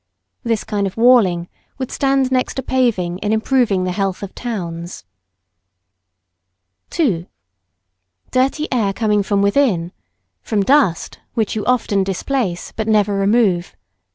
This kind of walling would stand next to paving in improving the health of towns. [Sidenote: Dirty air from within.] 2. Dirty air coming from within, from dust, which you often displace, but never remove.